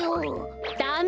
ダメ！